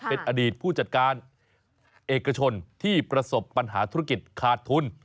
เป็นอดีตผู้จัดการเอกชนที่ประสบปัญหาธุรกิจขาดทุน